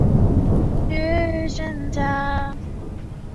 而火山渣锥本身也因为构造太为松散而无法支撑剧烈的喷发。